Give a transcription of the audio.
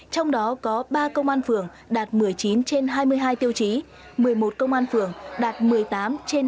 trong đó có ba công an phường đạt một mươi chín trên hai mươi hai tiêu chí một mươi một công an phường đạt một mươi tám trên ba mươi